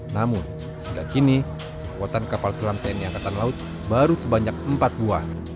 namun hingga kini kekuatan kapal selam tni angkatan laut baru sebanyak empat buah